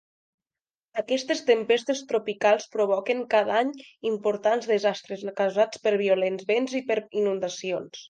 Aquestes tempestes tropicals provoquen cada any importants desastres causats per violents vents i per inundacions.